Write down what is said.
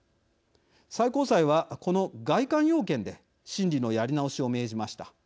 最高裁はこの外観要件で審理のやり直しを命じました。